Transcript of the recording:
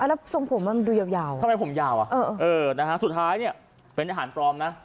แล้วทรงผมมันดูยาวทำไมผมยาวสุดท้ายเนี่ยเป็นอาหารปลอมนะ